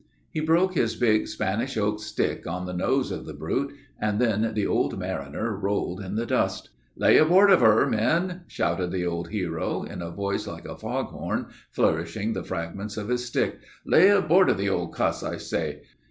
He broke his big, Spanish oak stick on the nose of the brute, and then the old mariner rolled in the dust. "'Lay aboard of her, men!' shouted the old hero, in a voice like a fog horn, flourishing the fragments of his stick. 'Lay aboard of the old cuss, I say!